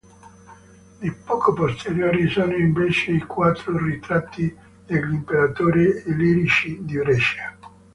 Di poco posteriori sono invece i quattro ritratti degli Imperatori illirici di Brescia.